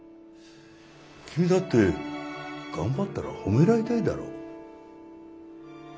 君だって頑張ったら褒められたいだろ？